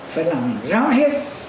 phải làm rõ hết